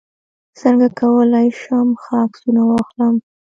څنګه کولی شم ښه عکسونه واخلم